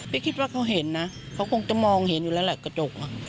คิดว่าเขาเห็นนะเขาคงจะมองเห็นอยู่แล้วแหละกระจก